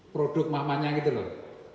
produk mahmanya gitu loh